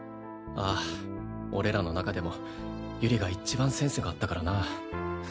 ああ俺らの中でもゆりが一番センスがあったからな。